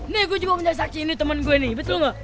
nih gue juga punya saksi ini teman gue ini betul gak